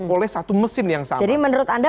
oleh satu mesin yang sama menurut anda